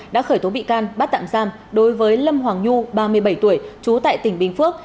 đã khởi tố bị can bắt tạm giam đối với lâm hoàng nhu ba mươi bảy tuổi trú tại tỉnh bình phước